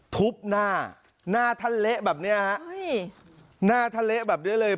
ทุบหน้าหน้าท่านเละแบบเนี้ยฮะหน้าท่านเละแบบนี้เลย